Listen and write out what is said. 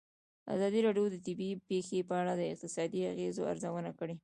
ازادي راډیو د طبیعي پېښې په اړه د اقتصادي اغېزو ارزونه کړې.